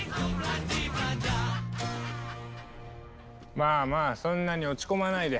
まあまあそんなに落ち込まないで。